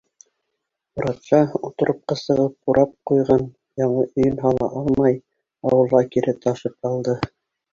Моратша отрубҡа сығып бурап ҡуйған яңы өйөн һала алмай, ауылға кире ташып алды.